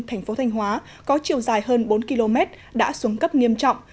thành phố thanh hóa có chiều dài hơn bốn km đã xuống cấp nghiêm trọng